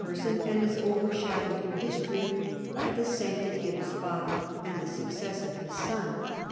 37 person, and is overshadowed in history by the sanc tity of his father and the success of his son.